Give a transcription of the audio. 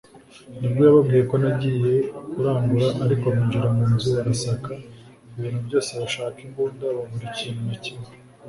nibwo yababwiye ko nagiye kurangura ariko binjira mu nzu barasaka ibintu byose bashaka imbunda babura ikintu na kimwe